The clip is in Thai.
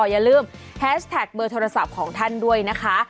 อย่าลืมแฮชแท็กเบอร์โทรศัพท์ของท่านด้วยนะคะ